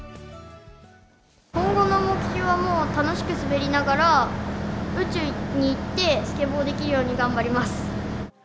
今後の目標はもう、楽しく滑りながら、宇宙に行ってスケボーできるように頑張ります。